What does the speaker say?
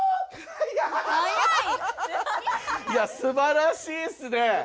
すばらしいっすね。